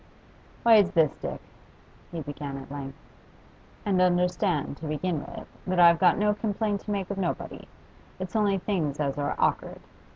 'Why, it's this, Dick,' he began at length. 'And understand, to begin with, that I've got no complaint to make of nobody; it's only things as are awk'ard.